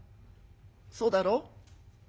そうだろ？